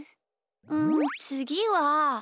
うんつぎは。